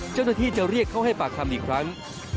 เจ้าหน้าที่จะเรียกเขาให้ปากคำอีกครั้ง